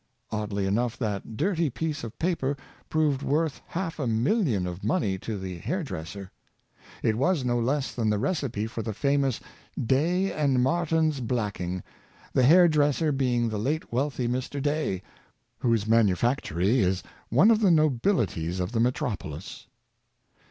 Oddly enough, that dirty piece of paper proved worth half a million of money to the hair dresser. It was no less than the recipe for the famous Day & Martin's black ing; the hair dresser being the late wealthy Mr. Day, whose manufactory is one of the notabilities of the metropolis.